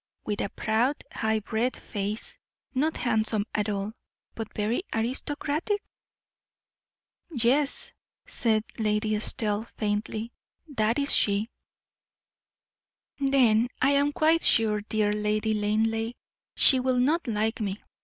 with a proud, high bred face not handsome at all, but very aristocratic?" "Yes," said Lady Estelle, faintly, "that is she." "Then I am quite sure, dear Lady Linleigh, she will not like me.